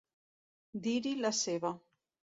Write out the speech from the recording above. Dir-hi la seva.